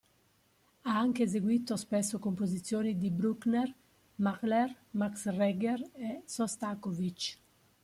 Ha anche eseguito spesso composizioni di Bruckner, Mahler, Max Reger e Šostakovič.